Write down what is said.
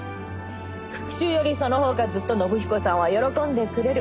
「復讐よりそのほうがずっと信彦さんは喜んでくれる。